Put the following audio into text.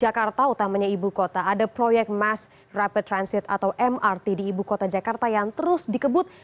jakarta utamanya ibu kota ada proyek mass rapid transit atau mrt di ibu kota jakarta yang terus dikebut